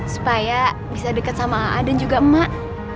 supaya bisa deket sama a'a dan juga emak